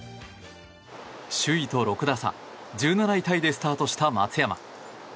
首位と６打差１７位タイでスタートした松山。